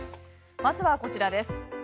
まずはこちらです。